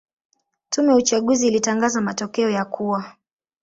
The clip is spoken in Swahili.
Tume ya uchaguzi ilitangaza matokeo ya kuwa